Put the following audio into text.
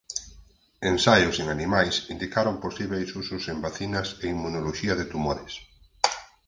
Ensaios en animais indicaron posíbeis usos en vacinas e inmunoloxía de tumores.